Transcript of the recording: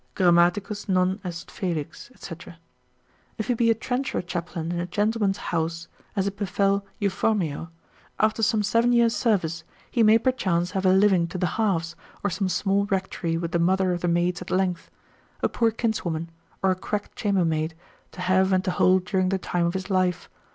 Grammaticus non est felix, &c. If he be a trencher chaplain in a gentleman's house, as it befell Euphormio, after some seven years' service, he may perchance have a living to the halves, or some small rectory with the mother of the maids at length, a poor kinswoman, or a cracked chambermaid, to have and to hold during the time of his life.